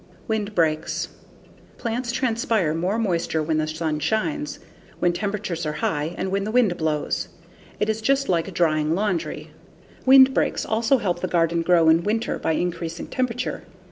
Windbreaks Plants transpire more moisture when the sun shines, when temperatures are high, and when the wind blows; it is just like drying laundry. Windbreaks also help the garden grow in winter by increasing temperature.